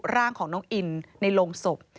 ร่างของน้องอินในโรงศพ